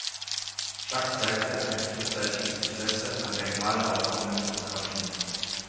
Schlack zeigte ein frühzeitiges Interesse an der gerade aufkommenden Fotografie.